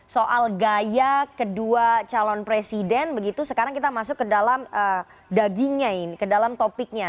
soal gaya kedua calon presiden begitu sekarang kita masuk ke dalam dagingnya ini ke dalam topiknya